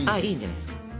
いいんじゃないですか。